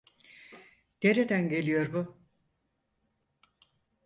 Nereden geliyor bu?